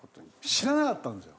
知らなかったんですよ。